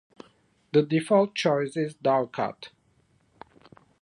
The default choice is Dovecot.